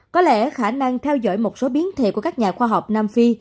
có lẽ khả năng theo dõi một số biến thể của các nhà khoa học nam phi